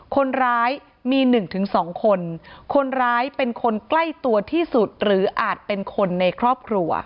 คนร้ายมีหนึ่งถึงสองคนคนร้ายเป็นคนใกล้ตัวที่สุดหรืออาจเป็นคนในครอบครัว